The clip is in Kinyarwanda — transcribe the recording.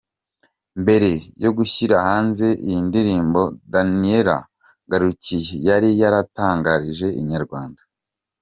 Mbere yo gushyira hanze iyi ndirimbo Daniel Ngarukiye yari yaratangarije Inyarwanda.